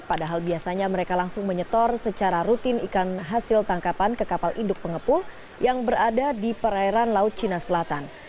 padahal biasanya mereka langsung menyetor secara rutin ikan hasil tangkapan ke kapal induk pengepul yang berada di perairan laut cina selatan